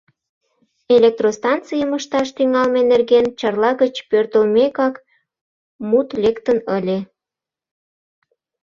Электростанцийым ышташ тӱҥалме нерген Чарла гыч пӧртылмекак мут лектын ыле.